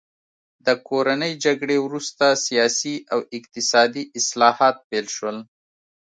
د کورنۍ جګړې وروسته سیاسي او اقتصادي اصلاحات پیل شول.